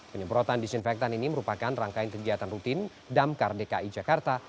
penyemprotan disinfektan ini merupakan rangkaian kegiatan rutin damkar dki jakarta